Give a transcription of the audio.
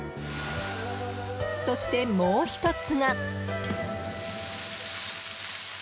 そしてもう１つが。